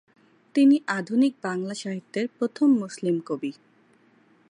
তিনি আধুনিক বাংলাসাহিত্যের প্রথম মুসলিম কবি।